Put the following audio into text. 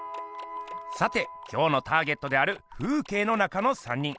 さて今日のターゲットである「風景の中の三人」。